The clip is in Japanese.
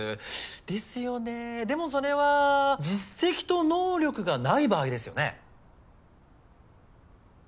ですよねでもそれは実績と能力がない場合ですよね？